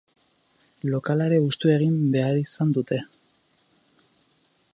Lokala ere hustu egin beharizan dute.